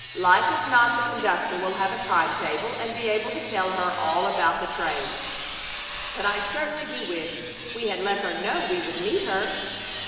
Like as not the conductor will have a time table and be able to tell her all about the trains. But I certainly do wish we had let her know we would meet her."